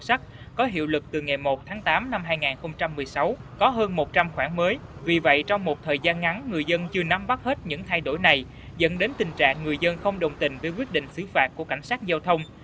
sau một thời gian ngắn người dân chưa nắm bắt hết những thay đổi này dẫn đến tình trạng người dân không đồng tình với quyết định xứ phạt của cảnh sát giao thông